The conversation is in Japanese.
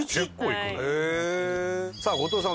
さあ後藤さん